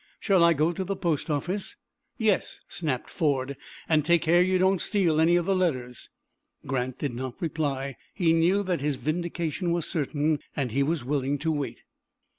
Shall I go to the post office?" "Yes," snapped Ford, "and take care you don't steal any of the letters." Grant did not reply. He knew that his vindication was certain, and he was willing to wait.